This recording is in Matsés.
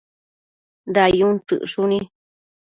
dayun tsëcshuni